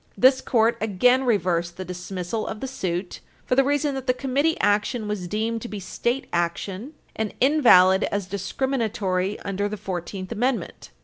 This Court again reversed the dismissal of the suit for the reason that the Committee action was deemed to be State action, and invalid as discriminatory under the Fourteenth Amendment.